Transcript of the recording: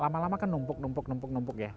lama lama kan numpuk numpuk ya